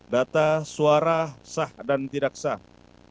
data suara sah dan tidak sah